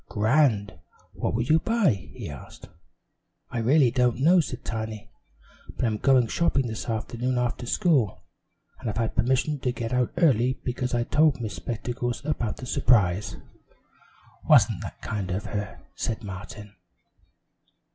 "Grand. What will you buy?" he asked. "I really don't know," said Tiny, "but I'm going shopping this afternoon after school. I've had permission to get out early, because I told Miss Spectacles about the surprise." "Wasn't that kind of her!" said Martin.